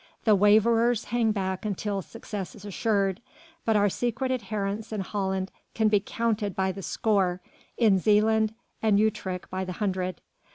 The waverers hang back until success is assured. But our secret adherents in Holland can be counted by the score, in Zealand and Utrecht by the hundred.